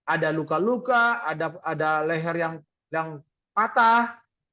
ada luka luka ada leher yang patah